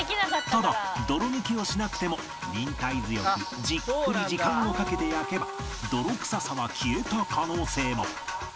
ただ泥抜きをしなくても忍耐強くじっくり時間をかけて焼けば泥臭さは消えた可能性も